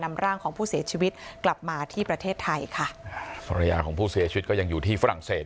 นำร่างของผู้เสียชีวิตกลับมาที่ประเทศไทยค่ะภรรยาของผู้เสียชีวิตก็ยังอยู่ที่ฝรั่งเศส